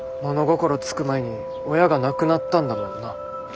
心付く前に親が亡くなったんだもんな。